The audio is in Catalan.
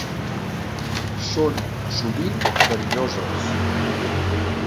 Són sovint verinoses.